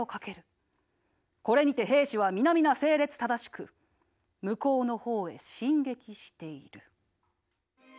これにて兵士は皆々整列正しく向こうの方へ進撃している」。